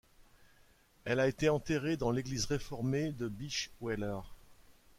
Elle a été enterrée dans l'Église Réformée de Bischweiler.